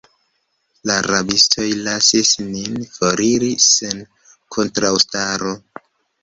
La rabistoj lasis nin foriri sen kontraŭstaro.